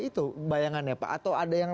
itu bayangannya pak atau ada yang